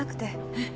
えっ！